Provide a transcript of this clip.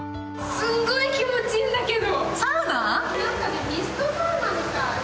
すんごい気持ちいいんだけど！